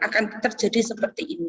akan terjadi seperti ini